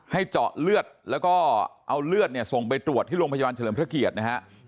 เจาะเลือดแล้วก็เอาเลือดเนี่ยส่งไปตรวจที่โรงพยาบาลเฉลิมพระเกียรตินะฮะ